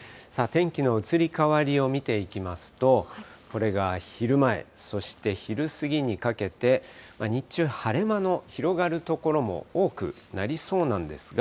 天気の移り変わりを見ていきますと、これが昼前、そして昼過ぎにかけて、日中晴れ間の広がる所も多くなりそうなんですが。